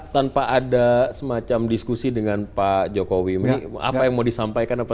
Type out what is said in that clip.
tanpa ada semacam diskusi dengan pak jokowi apa yang mau disampaikan apa